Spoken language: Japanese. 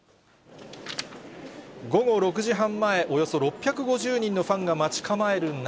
午後６時半前、およそ６５０人のファンが待ち構える中。